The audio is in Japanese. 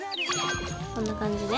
こんな感じで？